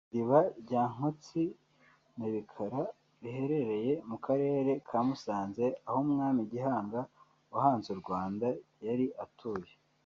Iriba rya Nkotsi na Bikara riherereye mu karere ka Musanze aho Umwami Gihanga wahanze u Rwanda yari atuye